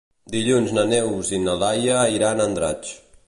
Dilluns na Neus i na Laia iran a Andratx.